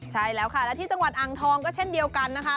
ใช่แล้วค่ะและที่จังหวัดอ่างทองก็เช่นเดียวกันนะคะ